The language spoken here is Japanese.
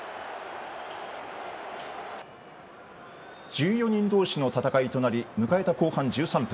１４人同士の戦いとなり迎えた後半１３分。